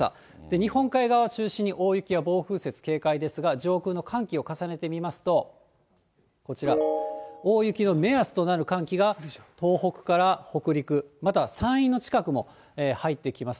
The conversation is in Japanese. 日本海側中心に大雪や暴風雪警戒ですが、上空の寒気重ねてみますと、こちら、大雪の目安となる寒気が、東北から北陸、また山陰の近くも入ってきます。